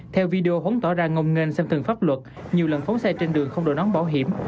theo video huấn tỏ ra ngông ngên xem thường pháp luật nhiều lần phóng xe trên đường không đồ nón bảo hiểm